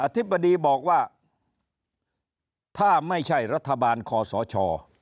ธิบดีบอกว่าถ้าไม่ใช่รัฐบาลคอสช